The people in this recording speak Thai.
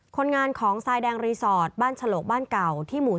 คนงานของทรายแดงรีสอร์ทบ้านฉลกบ้านเก่าที่หมู่๔